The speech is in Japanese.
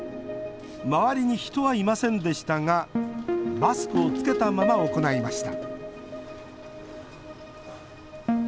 周りに人はいませんでしたがマスクをつけたまま行いました